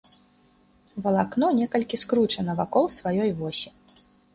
Валакно некалькі скручана вакол сваёй восі.